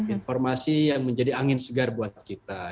informasi yang menjadi angin segar buat kita